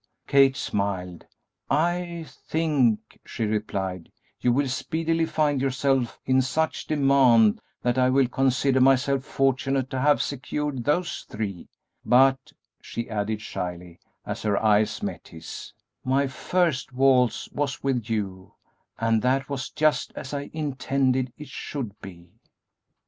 Kate smiled. "I think," she replied, "you will speedily find yourself in such demand that I will consider myself fortunate to have secured those three; but," she added shyly, as her eyes met his, "my first waltz was with you, and that was just as I intended it should be!"